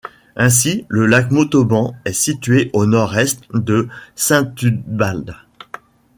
Ainsi, le lac Montauban est situé au nord-est de Saint-Ubalde.